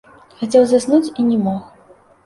Хацеў заснуць і не мог.